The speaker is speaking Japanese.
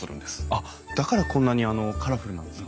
あっだからこんなにカラフルなんですか。